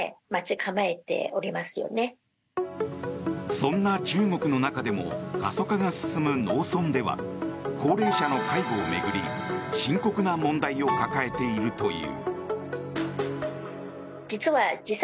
そんな中国の中でも過疎化が進む農村では高齢者の介護を巡り深刻な問題を抱えているという。